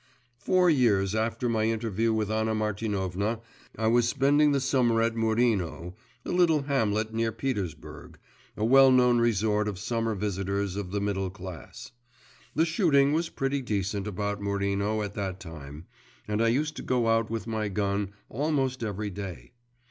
Four years after my interview with Anna Martinovna, I was spending the summer at Murino, a little hamlet near Petersburg, a well known resort of summer visitors of the middle class. The shooting was pretty decent about Murino at that time, and I used to go out with my gun almost every day.